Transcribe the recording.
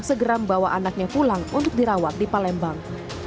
segera membawa anaknya pulang untuk dirawat di palembang